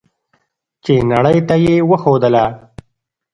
چې نړۍ ته یې وښودله.